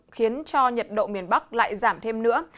khiến cho nhiệt độ miền bắc lại giảm thêm nữa